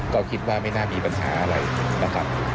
ก็คิดว่าไม่น่ามีปัญหาอะไรนะครับ